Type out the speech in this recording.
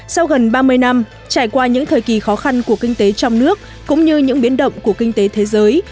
sau gần ba mươi năm trải qua những thời kỳ khó khăn của kinh tế trong nước cũng như những biến động của kinh tế thế giới